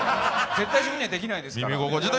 自分には絶対できないですから。